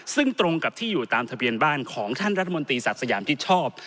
ซึ่งตรงกับที่อยู่ตามทะเบียนบ้านของท่านรัฐมนตรีศักดิ์สยามที่ชอบ